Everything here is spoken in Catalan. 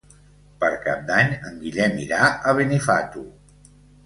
Per Cap d'Any en Guillem irà a Benifato.